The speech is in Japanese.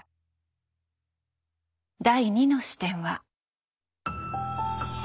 第２の視点は。